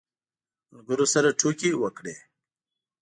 ملګرو سره ټوکې وکړې.